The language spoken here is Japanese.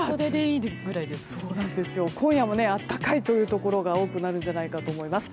今夜も暖かいというところが多くなるんじゃないかと思います。